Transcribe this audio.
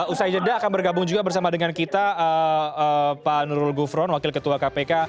usai jeda akan bergabung juga bersama dengan kita pak nurul gufron wakil ketua kpk